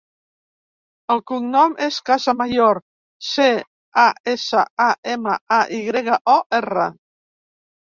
El cognom és Casamayor: ce, a, essa, a, ema, a, i grega, o, erra.